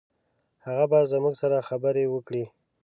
هغه به زموږ سره خبرې وکړي.